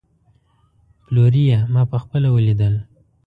پلوري يې، ما په خپله وليدل